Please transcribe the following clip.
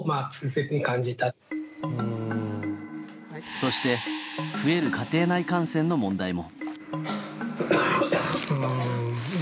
そして増える家庭内感染の問題も。